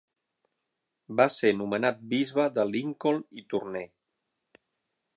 Va ser nomenat bisbe de Lincoln i Tournai.